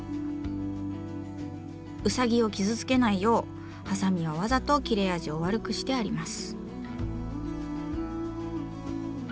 ウサギを傷つけないようハサミはわざと切れ味を悪くしてあります。